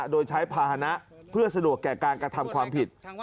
โดยใช้ภาษณะเพื่อสะดวกแก่การกระทำความผิด